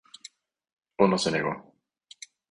Ono se negó.